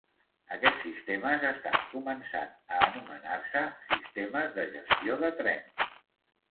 Aquests sistemes estan començant a anomenar-se sistemes de gestió de trens.